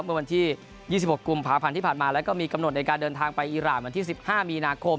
เมื่อวันที่๒๖กุมภาพันธ์ที่ผ่านมาแล้วก็มีกำหนดในการเดินทางไปอีรานวันที่๑๕มีนาคม